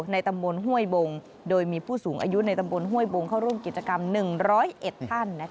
ในตำบลห้วยบงโดยมีผู้สูงอายุในตำบลห้วยบงเข้าร่วมกิจกรรม๑๐๑ท่าน